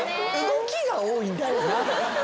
動きが多いんだよな。